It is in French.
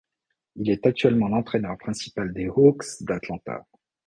Il est actuellement l'entraîneur principal des Hawks d'Atlanta.